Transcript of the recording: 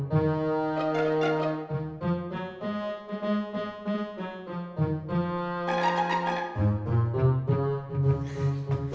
baru masih disini